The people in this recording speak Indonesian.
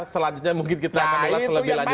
selanjutnya mungkin kita akan melihat selebih lanjut